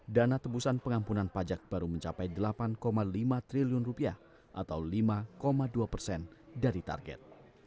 dana tebusan pengampunan pajak baru mencapai delapan lima triliun rupiah atau lima dua persen dari target